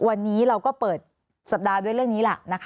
วันนี้เราก็เปิดสัปดาห์ด้วยเรื่องนี้ล่ะนะคะ